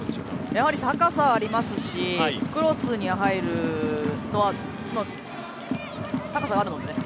やはり、高さありますしクロスには入るのは高さがあるのでね